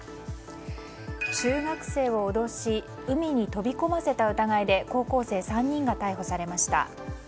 中学生を脅し海に飛び込ませた疑いで高校生３人が逮捕されました。